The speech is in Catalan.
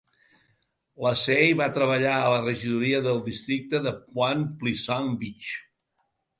Lacey va treballar a la regidoria de districte de Point Pleasant Beach.